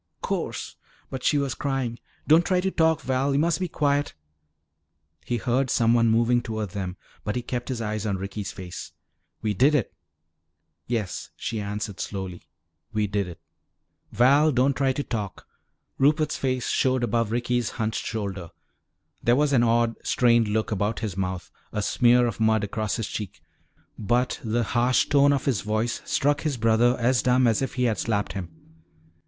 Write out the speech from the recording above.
"'Course!" But she was crying. "Don't try to talk, Val. You must be quiet." He heard someone moving toward them but he kept his eyes on Ricky's face. "We did it!" "Yes," she answered slowly, "we did it." "Val, don't try to talk." Rupert's face showed above Ricky's hunched shoulder. There was an odd, strained look about his mouth, a smear of mud across his cheek. But the harsh tone of his voice struck his brother as dumb as if he had slapped him.